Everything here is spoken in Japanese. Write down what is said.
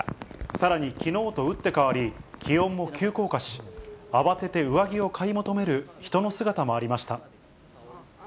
さらにきのうと打って変わり、気温も急降下し、慌てて上着を買い求める人の姿もありました。